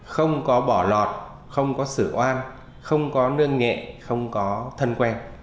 không có bỏ lọt không có xử oan không có nương nhẹ không có thân quen